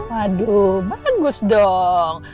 waduh bagus dong